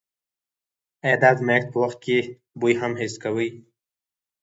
آیا د ازمایښت په وخت کې بوی هم حس کوئ؟